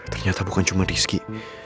ternyata bukan cuma rizky